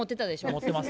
持ってます。